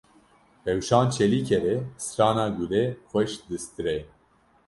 Rewşan Çelîkerê strana Gulê xweş distirê.